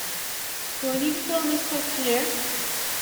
Do I need to fill in this questionnaire?